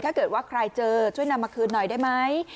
ถ้าเกิดว่าใครเจอช่วยนำมาคืนหน่อยได้ไหม